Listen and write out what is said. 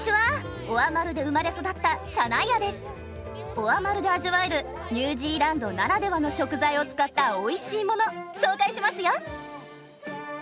オアマルで味わえるニュージーランドならではの食材を使ったおいしいもの紹介しますよ！